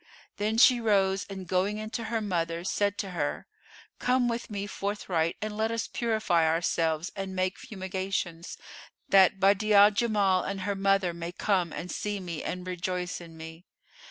Then she rose and going in to her mother, said to her, "Come with me forthright and let us purify ourselves and make fumigations[FN#446] that Badi'a al Jamal and her mother may come and see me and rejoice in me."